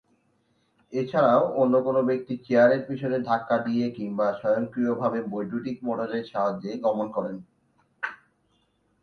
এছাড়াও, অন্য কোন ব্যক্তি চেয়ারের পিছনে ধাক্কা দিয়ে কিংবা স্বয়ংক্রিয়ভাবে বৈদ্যুতিক মোটরের সাহায্যে গমন করেন।